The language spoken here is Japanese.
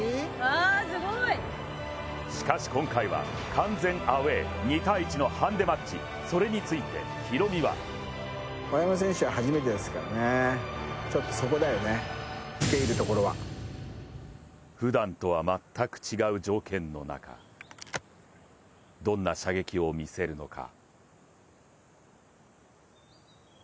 しかし今回は完全アウェー、２対１のハンデマッチそれについてヒロミはふだんとは全く違う条件の中、どんな射撃を見せるのか。